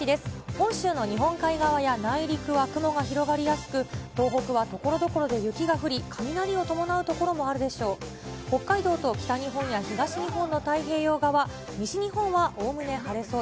本州の日本海側や内陸は雲が広がりやすく、東北はところどころで雪が降り、雷を伴う所もあるでしょう。